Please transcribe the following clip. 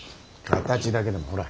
形だけでもほら。